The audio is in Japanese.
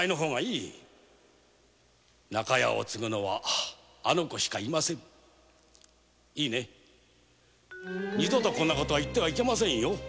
中屋を継ぐのはあの子しかいません二度とこんな事を言ってはいけませんよ